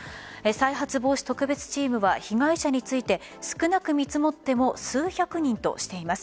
再発防止特別チームは被害者について少なく見積もっても数百人としています。